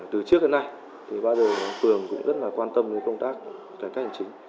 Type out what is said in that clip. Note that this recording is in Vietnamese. trước đến nay phường cũng rất quan tâm công tác giải quyết hành chính